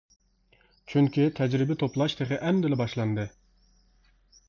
چۈنكى تەجرىبە توپلاش تېخى ئەمدىلا باشلاندى.